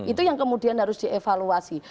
itu yang kemudian harus dievaluasi